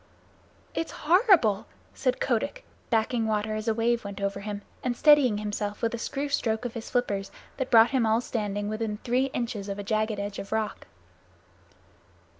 "It's horrible," said Kotick, backing water as a wave went over him, and steadying himself with a screw stroke of his flippers that brought him all standing within three inches of a jagged edge of rock.